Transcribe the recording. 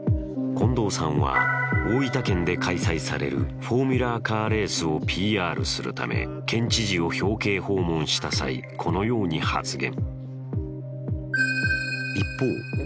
近藤さんは大分県で開催されるフォーミュラカーレースをＰＲするため県知事を表敬訪問した際このように発言。